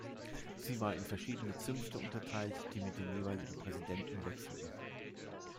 Sie war in verschiedene Zünfte unterteilt, die mit den jeweiligen Präsidenten wechselten.